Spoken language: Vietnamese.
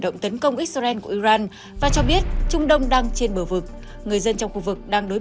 động tấn công israel của iran và cho biết trung đông đang trên bờ vực người dân trong khu vực đang đối